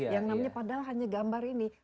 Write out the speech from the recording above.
yang namanya padahal hanya gambar ini